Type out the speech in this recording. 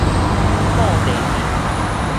布袋鎮